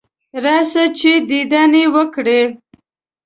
راشه چې دیدن یې وکړې.